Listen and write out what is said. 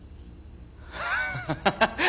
ハハハハ！